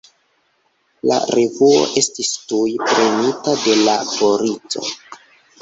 La revuo estis tuj prenita de la polico.